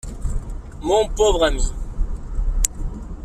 Mon pauvre ami!